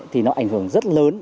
thì nó ảnh hưởng rất lớn